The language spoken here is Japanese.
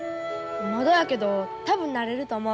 まだやけど多分なれると思う。